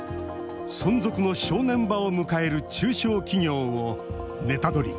存続の正念場を迎える中小企業をネタドリ！